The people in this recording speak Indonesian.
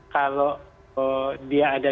kalau dia ada